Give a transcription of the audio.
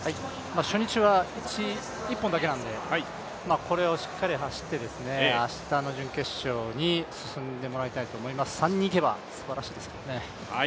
初日は１本だけなので、これをしっかりと走って明日の決勝に進んでもらいたいと思います、３人行けばすばらしいですけどね。